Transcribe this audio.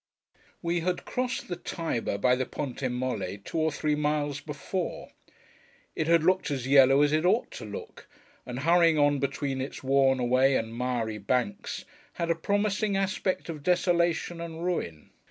We had crossed the Tiber by the Ponte Molle two or three miles before. It had looked as yellow as it ought to look, and hurrying on between its worn away and miry banks, had a promising aspect of desolation and ruin.